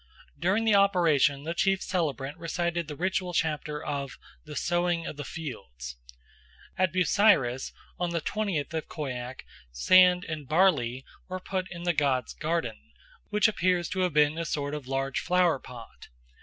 During the operation the chief celebrant recited the ritual chapter of "the sowing of the fields." At Busiris on the twentieth of Khoiak sand and barley were put in the god's "garden," which appears to have been a sort of large flower pot.